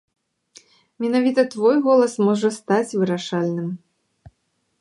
Менавіта твой голас можа стаць вырашальным!